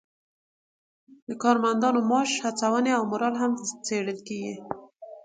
د کارمندانو معاش، هڅونې او مورال هم څیړل کیږي.